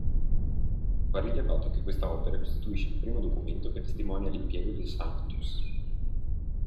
Va rilevato che questa opera costituisce il primo documento che testimonia l'impiego del Sanctus.